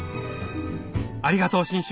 ありがとう信州